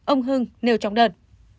ông hưng nêu trong đơn